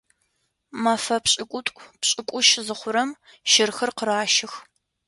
Мэфэ пшӏыкӏутӏу-пшӏыкӏутщ зыхъурэм щырхэр къыращых.